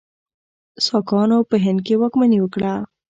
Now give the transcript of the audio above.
ساکانو په هند کې واکمني وکړه.